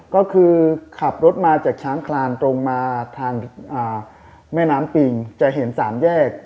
ก็คือขับรถมาจากช้างคลานตรงมาทางแม่น้ำปิงจะเห็นสามแยก